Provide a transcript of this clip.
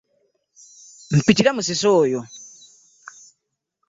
Mpitira Musisi oyo.